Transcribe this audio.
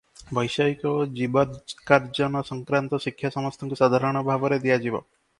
ବୈଷୟିକ ଓ ଜୀବିକାର୍ଜନ ସଂକ୍ରାନ୍ତ ଶିକ୍ଷା ସମସ୍ତଙ୍କୁ ସାଧାରଣ ଭାବରେ ଦିଆଯିବ ।